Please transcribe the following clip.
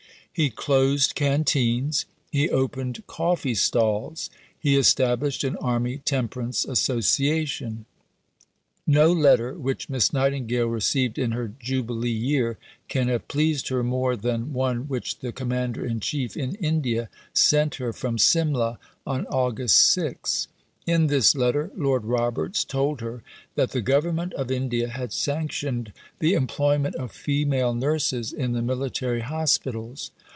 He closed canteens. He opened coffee stalls. He established an Army Temperance Association. No letter which Miss Nightingale received in her Jubilee Year can have pleased her more than one which the Commander in Chief in India sent her from Simla on August 6. In this letter Lord Roberts told her that the Government of India had sanctioned the employment of female nurses in the Military Hospitals.